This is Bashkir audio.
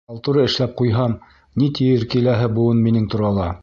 Халтура эшләп ҡуйһам, ни тиер киләһе быуын минең турала.